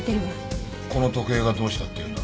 この時計がどうしたっていうんだ？